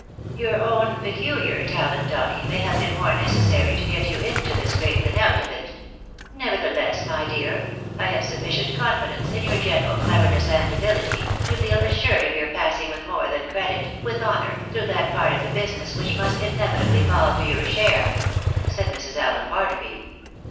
" Your own peculiar talent, Donny, may have been more 300 THE BARNABYS IN AMERICA. necessary to get you into the scrape than out of it ; nevertheless, my dear, I have sufficient confidence in your general cleverness and abihty, to feel assured of your passing with more than credit, with honour, through that part of the business which must inevi tably fall to your share," said Mrs. AUen Barnaby.